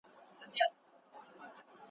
پل به له نسیمه سره اخلو څوک مو څه ویني؟ ,